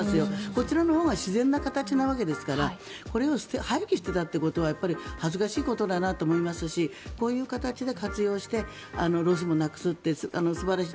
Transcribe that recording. こちらのほうが自然な形なわけですからこれを廃棄してたということは恥ずかしいことだなと思いますしこういう形で活用してロスもなくすって素晴らしい。